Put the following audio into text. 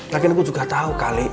lagi lagi gue juga tahu kali